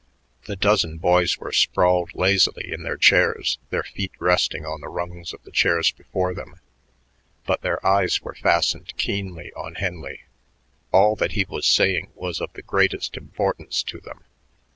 The dozen boys were sprawled lazily in their chairs, their feet resting on the rungs of the chairs before them, but their eyes were fastened keenly on Henley. All that he was saying was of the greatest importance to them.